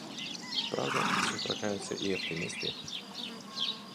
Праўда, сустракаюцца і аптымісты.